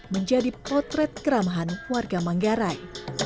menjadi potret keramahan warga manggarai